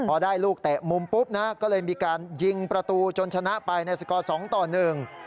พอได้ลูกเตะมุมปุ๊บนะก็เลยมีการยิงประตูจนชนะไปในสกอร์สองต่อหนึ่ง